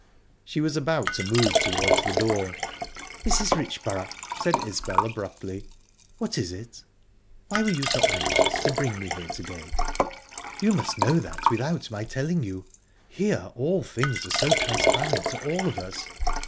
She was about to move towards the door. "Mrs. Richborough!..." said Isbel abruptly. "What is it?" "Why were you so anxious to bring me here to day?" "You must know that without my telling you. Here all things are so transparent to all of us."